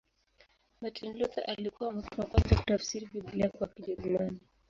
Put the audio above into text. Martin Luther alikuwa mtu wa kwanza kutafsiri Biblia kwa Kijerumani.